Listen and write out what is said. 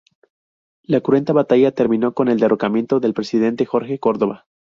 La cruenta batalla terminó con el derrocamiento del presidente Jorge Córdova.